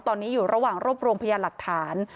ตอนนี้อยู่ระหว่างรวบรวมพยานหลักฐาน